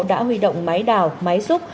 đã huy động máy đào máy xúc